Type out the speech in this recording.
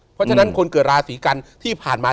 เพราะฉะนั้นคนเกิดราศีกันที่ผ่านมา